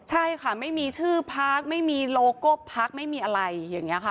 ใช่ค่ะไม่มีชื่อพักไม่มีโลโก้พักไม่มีอะไรอย่างนี้ค่ะ